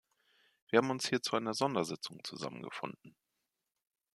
Wir haben uns hier zu einer Sondersitzung zusammengefunden.